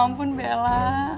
ya ampun bella